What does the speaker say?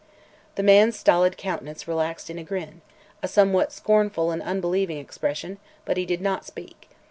The man's stolid countenance relaxed in a grin a somewhat scornful and unbelieving expression but he did not speak.